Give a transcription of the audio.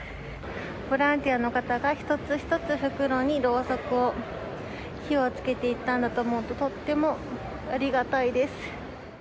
ボランティアの方が一つ一つ、袋にろうそくを、火をつけていったんだと思うと、とってもありがたいです。